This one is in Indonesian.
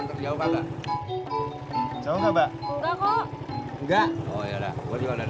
terbahar dulu ya mak